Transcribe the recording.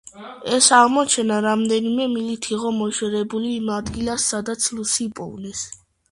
ეს აღმოჩენა რამდენიმე მილით იყო მოშორებული იმ ადგილს სადაც „ლუსი“ იპოვნეს.